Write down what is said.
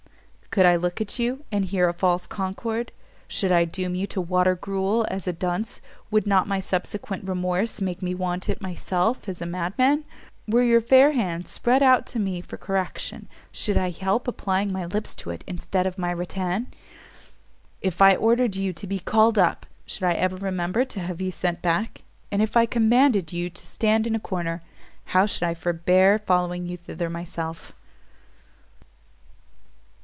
Could I look at you, and hear a false concord? Should I doom you to water gruel as a dunce, would not my subsequent remorse make me want it myself as a madman? Were your fair hand spread out to me for correction, should I help applying my lips to it, instead of my rat tan? If I ordered you to be called up, should I ever remember to have you sent back? And if I commanded you to stand in a corner, how should I forbear following you thither myself?"